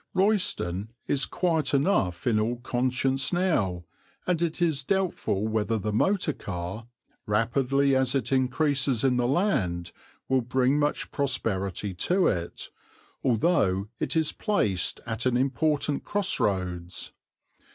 Royston is quiet enough in all conscience now, and it is doubtful whether the motor car, rapidly as it increases in the land, will bring much prosperity to it, although it is placed at important cross roads.